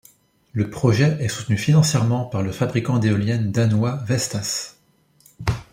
Le projet est soutenu financièrement par le fabricant d'éoliennes danois Vestas.